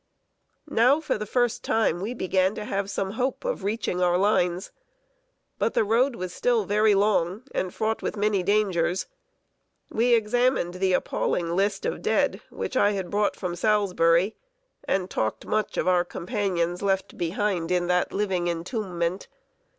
Now, for the first time, we began to have some hope of reaching our lines. But the road was still very long, and fraught with many dangers. We examined the appalling list of dead, which I had brought from Salisbury, and talked much of our companions left behind in that living entombment.